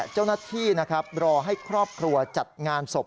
เจ้าหน้าที่นะครับรอให้ครอบครัวจัดงานศพ